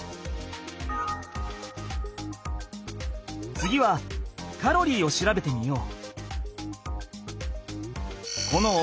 次はカロリーを調べてみよう。